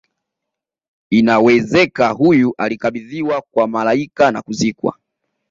inawezeka huyu alikabidhiwa kwa malaika na kuzikwa